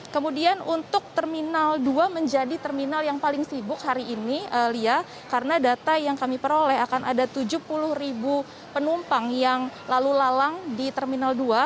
kemudian untuk terminal dua menjadi terminal yang paling sibuk hari ini lia karena data yang kami peroleh akan ada tujuh puluh ribu penumpang yang lalu lalang di terminal dua